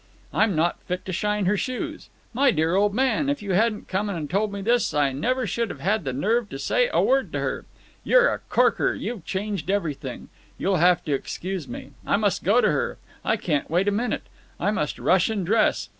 I'm not fit to shine her shoes. My dear old man, if you hadn't come and told me this I never should have had the nerve to say a word to her. "You're a corker. You've changed everything. You'll have to excuse me. I must go to her. I can't wait a minute. I must rush and dress.